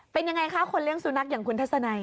เป็นยังไงคะคนเลี้ยสุนัขอย่างคุณทัศนัย